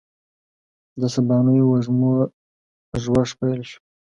د سبانیو وږمو ږوږ پیل شو